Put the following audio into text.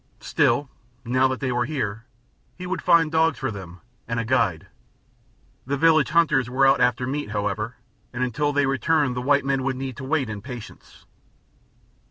Still, now that they were here, he would find dogs for them, and a guide. The village hunters were out after meat, however, and until they returned the white men would need to wait in patience.